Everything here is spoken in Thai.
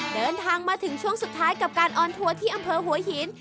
เดินทางมาถึงช่วงสุดท้ายกับการออนทัวร์ที่อำเภอหัวหิน